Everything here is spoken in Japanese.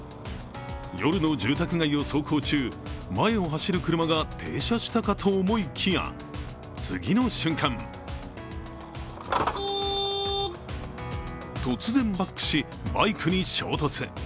夜の住宅街を走行中、前を走る車が停車したかと思いきや、次の瞬間、突然バックし、バイクに衝突。